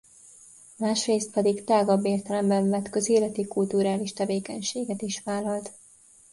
Másrészt pedig tágabb értelemben vett közéleti-kulturális tevékenységet is vállalt.